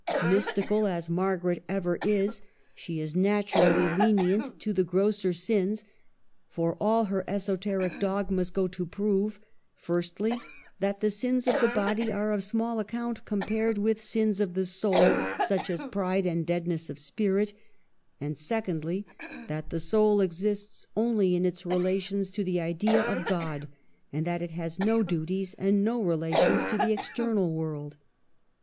Mystical as Margaret ever is, she is naturally lenient to the grosser sins; for all her esoteric dogmas go to prove — firstly, that the sins of the body are of small ac count compared with sins of the soul, such as pride and deadness of spirit; and secondly, that the soul exists only in its relations to the idea of God, and that it has no duties and no relations to the external world.